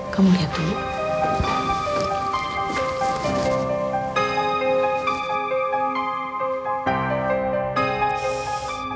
kamu lihat dulu